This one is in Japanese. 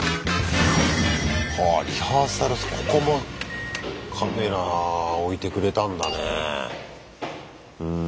はあリハーサルここもカメラ置いてくれたんだね。